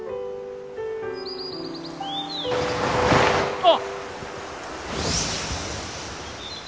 あっ！